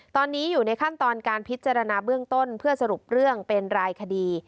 ตอนนี้อยู่ในขั้นตอนการพิจารณาเบื้องต้นเพื่อสรุปเรื่องเป็นรายคดี